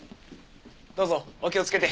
どうぞお気をつけて。